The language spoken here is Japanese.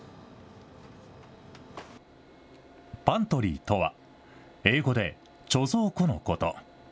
パントリーとは、英語で貯蔵庫のこと。